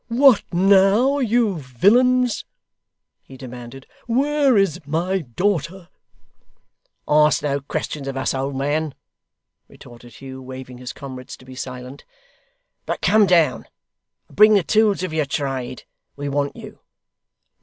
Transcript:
'What now, you villains!' he demanded. 'Where is my daughter?' 'Ask no questions of us, old man,' retorted Hugh, waving his comrades to be silent, 'but come down, and bring the tools of your trade. We want you.